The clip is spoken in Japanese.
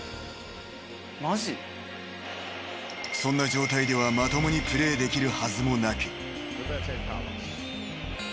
［そんな状態ではまともにプレーできるはずもなく］